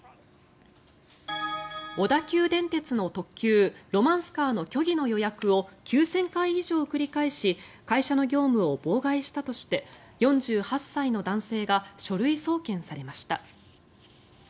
小田急電鉄の特急ロマンスカーの虚偽の予約を９０００回以上繰り返し会社の業務を妨害したとして４８歳の男性が書類送検されました。